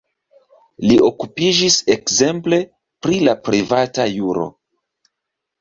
Li okupiĝis ekzemple pri la privata juro.